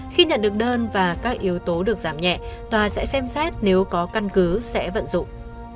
khi nhận được đơn và các yếu tố được giảm nhẹ tòa sẽ xem xét nếu có căn cứ sẽ vận dụng